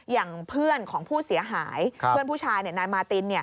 อย่างเพื่อนของผู้เสียหายเพื่อนผู้ชายนายมาติน